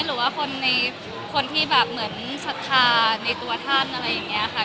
หรือว่าคนในคนที่แบบเหมือนศรัทธาในตัวท่านอะไรอย่างนี้ค่ะ